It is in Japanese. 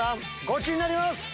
ゴチになります！